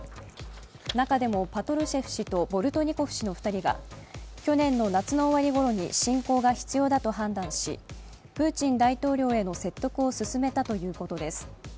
中でもパトルシェフ氏とボルトニコフ氏の２人が去年の夏の終わりごろに侵攻が必要だと判断しプーチン大統領への説得を進めたということです。